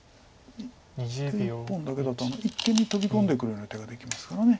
１本だけだと一間にトビ込んでくるような手ができますから。